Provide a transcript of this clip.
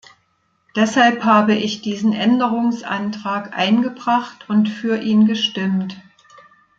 Deshalb habe ich diesen Änderungsantrag eingebracht und für ihn gestimmt.